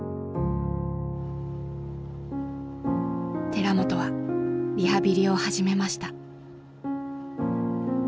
寺本はリハビリを始めました。